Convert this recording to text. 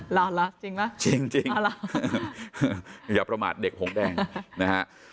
หรอหรอจริงหรอจริงจริงอย่าประมาทเด็กผงแดงนะฮะ